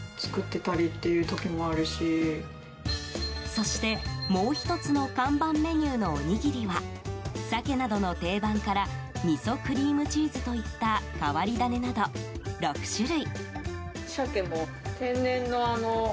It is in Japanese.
そして、もう１つの看板メニューのおにぎりは鮭などの定番から味噌クリームチーズといった変わり種など、６種類。